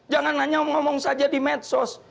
jangan hanya ngomong saja di medsos